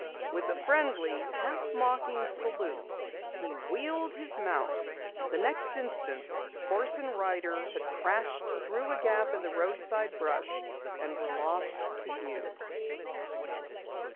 With a friendly, half mocking salute, he wheeled his mount. The next instant horse and rider had crashed through a gap in the roadside brush and were lost to view.